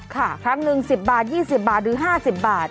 ครั้งหนึ่ง๑๐บาท๒๐บาทหรือ๕๐บาท